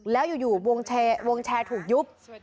แล้วอยู่วงแชร์ถูกยุบ